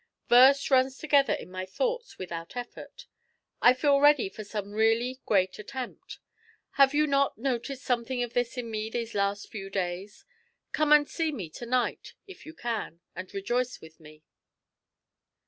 Verse runs together in my thoughts without effort; I feel ready for some really great attempt. Have you not noticed something of this in me these last few days? Come and see me to night, if you can, and rejoice with me."